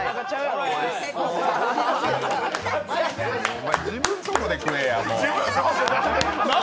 お前、自分のとこで食えや、もう。